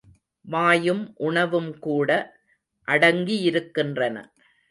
வாயும் உணவும்கூட அடங்கியிருக்கின்றன.